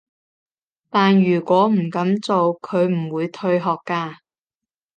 但如果唔噉做，佢唔會退學㗎